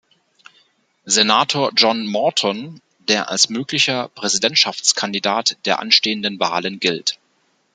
Senator John Morton, der als möglicher Präsidentschaftskandidat der anstehenden Wahlen gilt.